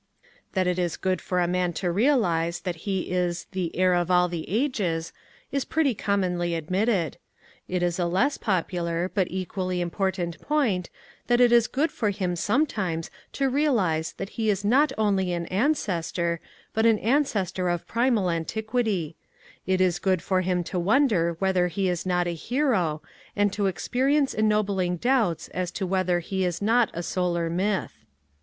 That it is good A Defence o> Nonsense for a man to realize that he is " the heir of all the ages " is pretty commonly admitted ; it is a less popular but equally important point that it is good for him sometimes to realize that he is not only an ancestor, but an ancestor of primal antiquity ; it is good for him to wonder whether he is not a hero, and to experience ennobling doubts as to whether he is not a solar myth.